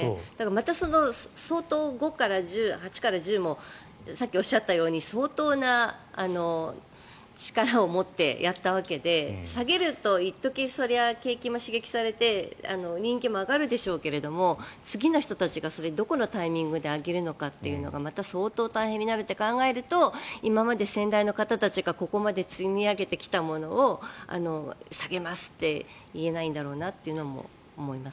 また相当５から１０、８から１０もさっきおっしゃったように相当な力を持ってやったわけで下げると一時、景気も刺激されて人気も上がるでしょうけど次の人たちがどこのタイミングで上げるのかというのがまた相当、大変になると考えると今まで先代の方々がここまで積み上げてきたものを下げますといえないんだろうなというのも思います。